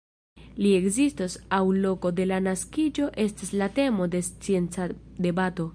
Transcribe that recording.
La ekzisto aŭ loko de la naskiĝo estas la temo de scienca debato.